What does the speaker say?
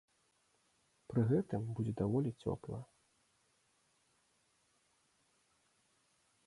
Пры гэтым будзе даволі цёпла.